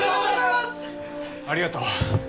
ありがとう。